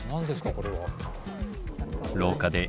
これは。